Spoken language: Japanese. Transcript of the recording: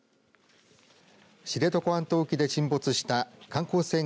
知床半島沖で沈没した観光船